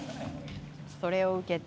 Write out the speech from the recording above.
それを受け。